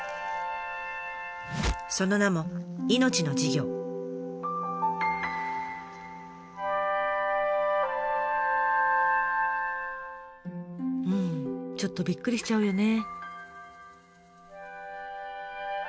その名もうんちょっとびっくりしちゃうよね。